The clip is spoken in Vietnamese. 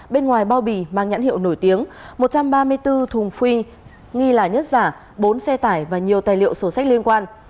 bên ngoài bao bì mang nhãn hiệu nổi tiếng một trăm ba mươi bốn thùng phi nghi là nhất giả bốn xe tải và nhiều tài liệu sổ sách liên quan